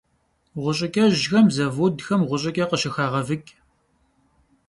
Ğuş'ıç'ejxem zavodxem ğuş'ıç'e khışıxağevıç'.